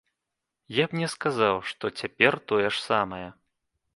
Я б не сказаў, што цяпер тое ж самае.